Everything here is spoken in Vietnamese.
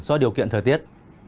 do điều kiện thời tiết